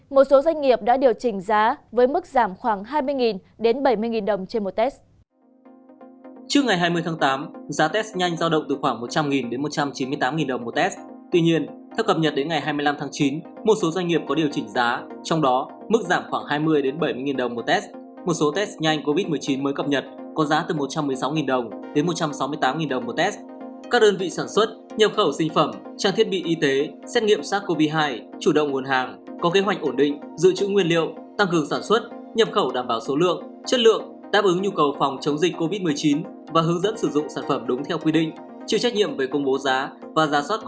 một số doanh nghiệp đã điều chỉnh giá với mức giảm khoảng hai mươi bảy mươi đồng trên một test